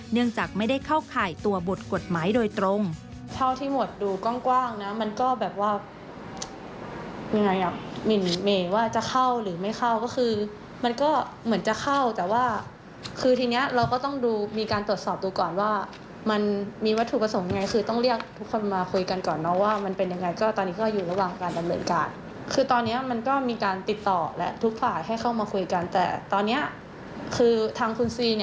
เนื่องจากไม่ได้เข้าข่ายตัวบทกฎหมายโดยตรง